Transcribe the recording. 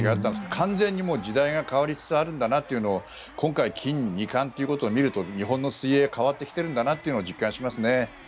完全に時代が変わりつつあるんだなというのを今回、金２冠ということを見ると日本の水泳変わってきているんだなというのを実感しますね。